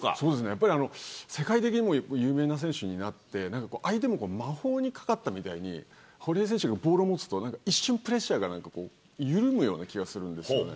やっぱり、世界的にも有名な選手になって、相手も魔法にかかったみたいに、堀江選手がボールを持つと、なんか一瞬、プレッシャーが緩むような気がするんですよね。